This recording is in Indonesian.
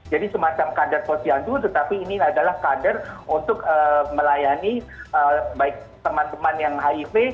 jadi semacam kader posyandu tetapi ini adalah kader untuk melayani baik teman teman yang hiv